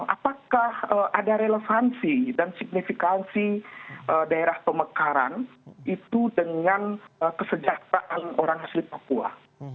apakah ada relevansi dan signifikansi daerah pemekaran itu dengan kesejahteraan orang asli papua